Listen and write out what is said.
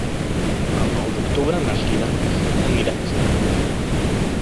El nou d'octubre na Frida anirà a visitar mon oncle.